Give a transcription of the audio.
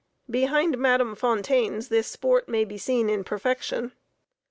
Behind Madam Fontane's this sport may be seen in perfection.